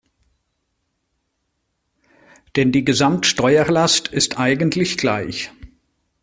Denn die Gesamtsteuerlast ist eigentlich gleich.